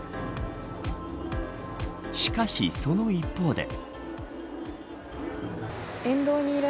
しかし、その一方で。